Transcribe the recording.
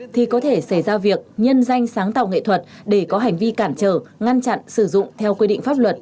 thì có thể xảy ra việc nhân danh sáng tạo nghệ thuật để có hành vi cản trở ngăn chặn sử dụng theo quy định pháp luật